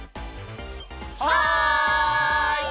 はい！